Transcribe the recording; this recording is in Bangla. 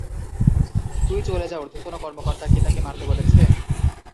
তুই চলে যা উর্ধ্বতন কর্মকর্তা কি তাকে মারতে বলেছে?